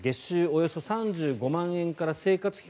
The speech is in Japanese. およそ３５万円から生活費